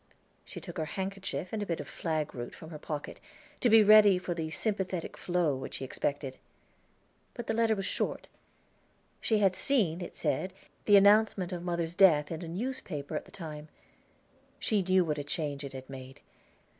She took her handkerchief and a bit of flagroot from her pocket, to be ready for the sympathetic flow which she expected. But the letter was short. She had seen, it said, the announcement of mother's death in a newspaper at the time. She knew what a change it had made.